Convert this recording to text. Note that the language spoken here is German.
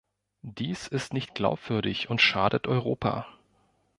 Dies ist nicht glaubwürdig und schadet Europa.